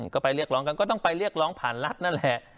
ก็ไปเรียกร้องกันก็ต้องไปเรียกร้องผ่านรัฐนั่นแหละ